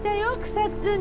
草津に。